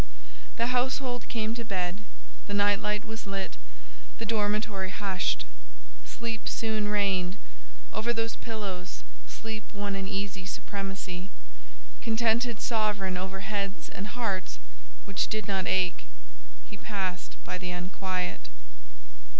The household came to bed, the night light was lit, the dormitory hushed. Sleep soon reigned: over those pillows, sleep won an easy supremacy: contented sovereign over heads and hearts which did not ache—he passed by the unquiet.